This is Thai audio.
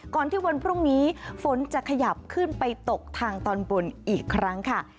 ที่วันพรุ่งนี้ฝนจะขยับขึ้นไปตกทางตอนบนอีกครั้งค่ะ